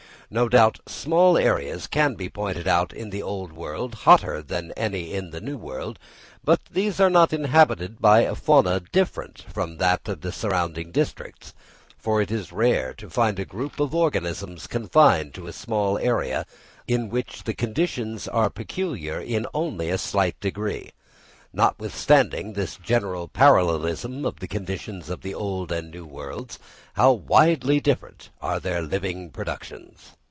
No doubt small areas can be pointed out in the Old World hotter than any in the New World; but these are not inhabited by a fauna different from that of the surrounding districts; for it is rare to find a group of organisms confined to a small area, of which the conditions are peculiar in only a slight degree. Notwithstanding this general parallelism in the conditions of Old and New Worlds, how widely different are their living productions!